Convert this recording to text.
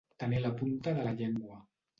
Tenir a la punta de la llengua.